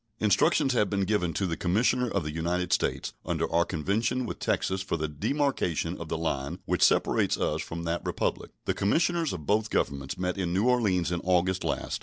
Instructions have been given to the commissioner of the United States under our convention with Texas for the demarcation of the line which separates us from that Republic. The commissioners of both Governments met in New Orleans in August last.